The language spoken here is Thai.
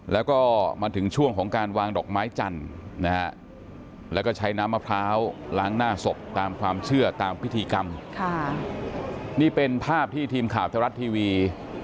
ล้างหน้าศพตามความเชื่อตามพิธีกรรมค่ะนี่เป็นภาพที่ทีมข่าวเทวรัตน์ทีวี